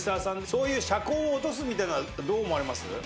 そういう車高を落とすみたいのはどう思われます？